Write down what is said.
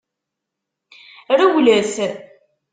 Rewlet!